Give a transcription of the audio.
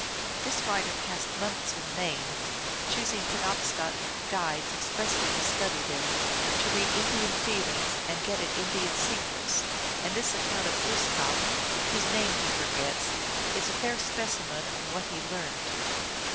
This writer passed months in Maine, choosing Penobscot guides expressly to study them, to read In dian feelings and get at Indian secrets, and this account of Glooskap, whose name he forgets, is a fair specimen of what he learned.